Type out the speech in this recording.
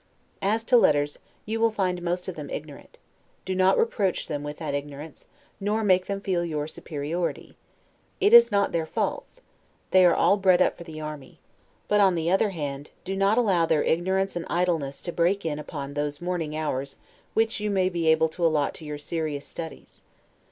As to letters, you will find most of them ignorant; do not reproach them with that ignorance, nor make them feel your superiority. It is not their faults, they are all bred up for the army; but, on the other, hand, do not allow their ignorance and idleness to break in upon those morning hours which you may be able to allot to your serious, studies.